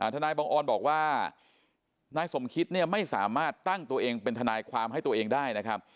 นายบังออนบอกว่านายสมคิตเนี่ยไม่สามารถตั้งตัวเองเป็นทนายความให้ตัวเองได้นะครับ